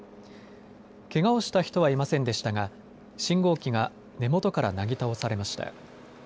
けがをした人はいませんでしたが信号機が根元からなぎ倒されました。